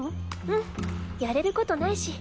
うんやれることないし。